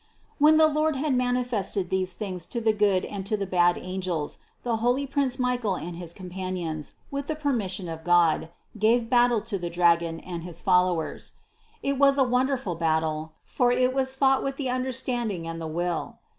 When the Lord had manifested these things to the good and to the bad angels, the holy prince Michael and his companions, with the per mission of God, gave battle to the dragon and his fol lowers. It was a wonderful battle, for it was fought with the understanding and the will.